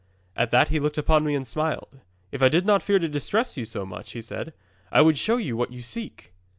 'At that he looked upon me and smiled. '"If I did not fear to distress you too much," he said, "I would show you what you seek!"